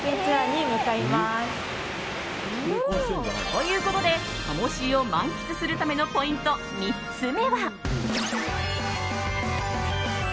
ということで、鴨シーを満喫するためのポイント３つ目は。